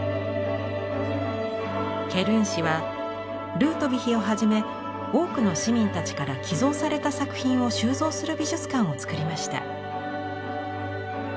ケルン市はルートヴィヒをはじめ多くの市民たちから寄贈された作品を収蔵する美術館をつくりました。